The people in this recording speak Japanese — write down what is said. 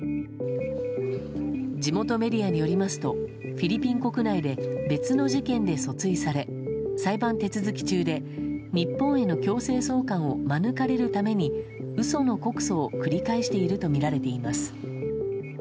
地元メディアによりますとフィリピン国内で別の事件で訴追され裁判手続き中で日本への強制送還を免れるために嘘の告訴を繰り返しているとみられています。